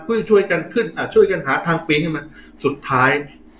พูดช่วยกันขึ้นอ่ะช่วยกันหาทางปีนขึ้นมาสุดท้าย